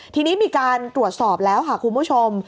ทีนี้มีการตรวจสอบแล้วค่ะคุณผู้ชม